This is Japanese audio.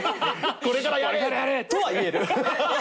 「これからやれ！」とは言える。